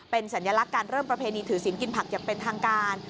เป็นสัญลักษณ์การเริ่มประเพณีถือศีลกินผักอย่างเป็นทางการ